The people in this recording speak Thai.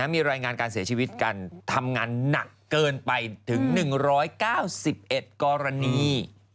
มีรายงานการเสียชีวิตกันทำงานหนักเกินไปถึง๑๙๑กรณี